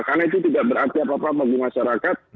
karena itu tidak berarti apa apa bagi masyarakat